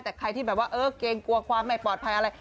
แต่ใครที่แบบว่าเออเกรงกลัวความไม่ปลอดภัยอะไร